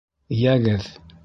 Йәгеҙ!